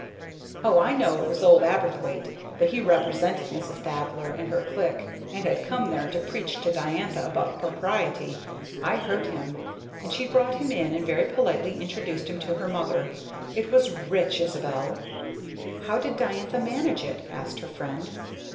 "O I know it was old Aberthwaite, but he represented Mrs. Thaddler and her clique, and had come there to preach to Diantha about propriety I heard him, and she brought him in and very politely introduced him to her mother! it was rich, Isabel." "How did Diantha manage it?" asked her friend.